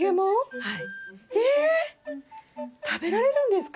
はい。